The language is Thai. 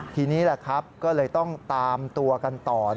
ทีนี้ก็เลยต้องตามตัวกันต่อ